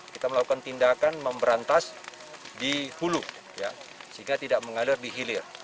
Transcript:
kita melakukan tindakan memberantas di hulu sehingga tidak mengalir di hilir